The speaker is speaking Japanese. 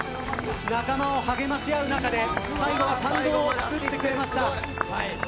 仲間を励まし合う中で最後は感動で包んでくれました。